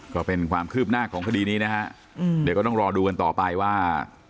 ก็เป็นความคืบหน้าของคดีนี้นะฮะเดี๋ยวก็ต้องรอดูกันต่อไปว่า